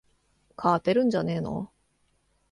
勝てるんじゃねーの